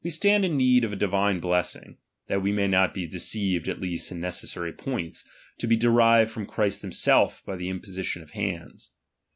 stand in need of a divine blessing, (that we may not be deceived at least in necessary points), to be derived from Christ himself by the imposi tioTi of hands.